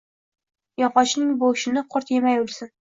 Yog‘ochning bo‘shini qurt yemay o‘lsin.